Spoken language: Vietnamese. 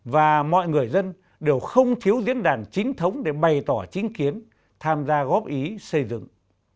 và mọi người dân đều không thiếu diễn đàn chính thống để bày tỏ chính kiến tham gia góp ý xây dựng